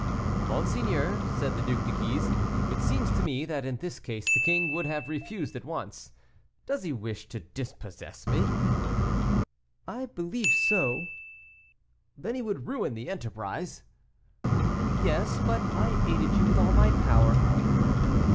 "Monseigneur," said the Duc de Guise, "it seems to me that in this case the king would have refused at once. Does he wish to dispossess me?" "I believe so." "Then he would ruin the enterprise?" "Yes; but I aided you with all my power."